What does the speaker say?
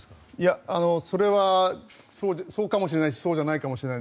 それはそうかもしれないしそうじゃないかもしれない。